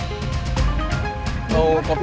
udah sama sama pak kopi